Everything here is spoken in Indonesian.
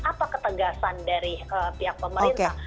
apa ketegasan dari pihak pemerintah